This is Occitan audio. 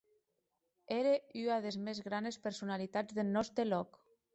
Ère ua des mès granes personalitats deth nòste lòc.